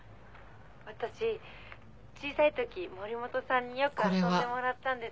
「私小さい時森本さんによく遊んでもらったんです」